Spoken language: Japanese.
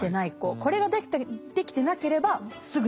これができてなければすぐに落ちます。